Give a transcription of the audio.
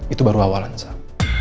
itu baru awalan sah